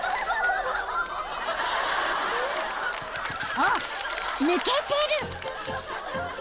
［あっ抜けてる！］